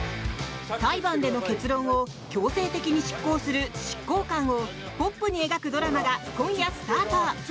裁判での結論を強制的に執行する執行官をポップに描くドラマが今夜スタート。